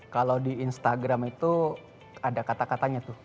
kalau di instagram itu ada kata katanya tuh